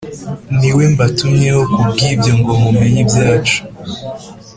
Ni we mbatumyeho ku bw’ibyo ngo mumenye ibyacu